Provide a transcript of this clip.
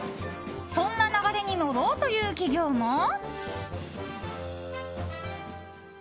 そんな流れに乗ろうという企業も。